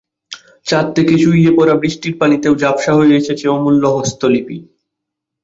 ছাদ থেকে চুইয়ে পড়া বৃষ্টির পানিতেও ঝাপসা হয়ে এসেছে অমূল্য হস্তলিপি।